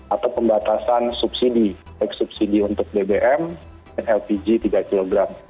atau pembatasan subsidi baik subsidi untuk bbm dan lpg tiga kg